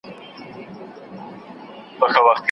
د استاد تجربه له نوې پوهې بشپړه وي.